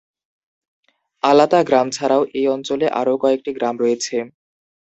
আলাতা গ্রাম ছাড়াও এই অঞ্চলে আরও কয়েকটি গ্রাম রয়েছে।